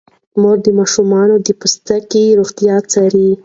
مور د ماشومانو د پوستکي روغتیا څاري.